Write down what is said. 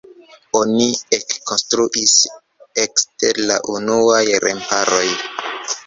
Oni ekkonstruis ekster la unuaj remparoj.